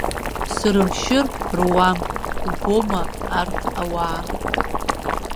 Срымшьыр руам, убома, арҭ ауаа.